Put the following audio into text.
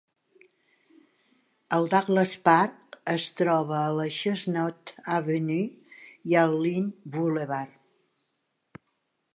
El Douglas Park es troba a la Chestnut Avenue i al Lynn Boulevard.